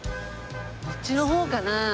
こっちの方かな？